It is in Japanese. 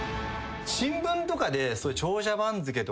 新聞とかで長者番付とかで。